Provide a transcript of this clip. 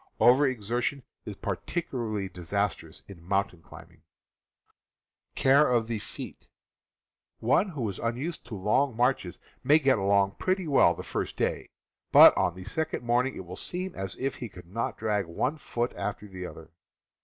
Over exertion is particularly dis astrous in mountain climbing. One who is unused to long marches may get along pretty well the first day, but on the second morning it p , will seem as if he could not drag one ^ foot after the other.